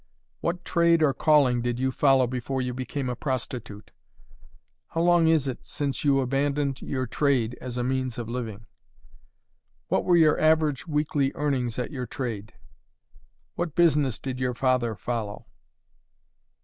"What trade or calling did you follow before you became a prostitute? "How long is it since you abandoned your trade as a means of living? "What were your average weekly earnings at your trade? "What business did your father follow?